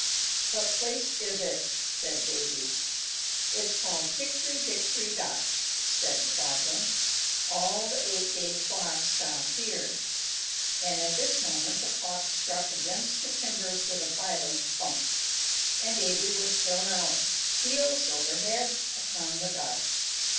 "What place is it?" said Davy. "It's called Hickory Dickory Dock," said the Goblin. "All the eight day clocks stop here;" and at this moment the clock struck against the timbers with a violent thump, and Davy was thrown out, heels over head, upon the dock.